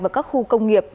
vào các khu công nghiệp